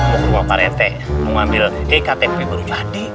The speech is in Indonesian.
mokru bapak rete mengambil ektp baru jadi